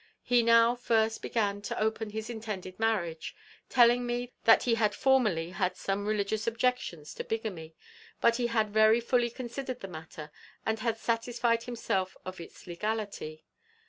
He now first began to open his intended marriage, telling me that he had formerly had some religious objections to bigamy, but he had very fully considered the matter, and had satisfied himself of its legality.